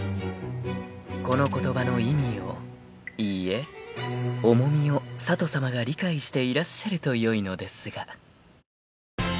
［この言葉の意味をいいえ重みを佐都さまが理解していらっしゃるとよいのですが］